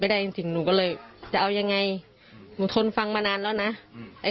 ด้วยจงจงบอกพ่อคงทำลายมันกัน